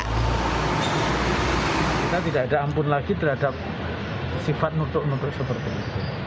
kita tidak ada ampun lagi terhadap sifat nutuk nutuk seperti itu